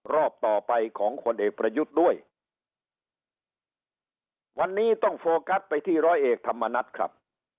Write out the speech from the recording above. รอบต่อไปของคนเอกประยุทธ์ด้วยวันนี้ต้องโฟกัสไปที่ร้อยเอกธรรมนัฐครับ